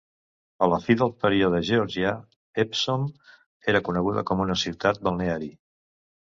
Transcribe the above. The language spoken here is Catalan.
A la fi del període georgià, Epsom era coneguda com una ciutat balneari.